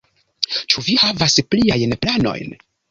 Ĉu vi havas pliajn planojn?